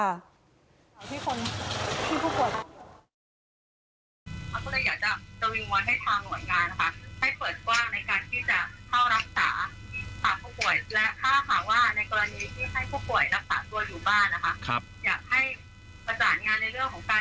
ถ้าไม่หนักจริงขวากเขาจะไม่รอเพาะชีวิตเขาแล้วค่ะ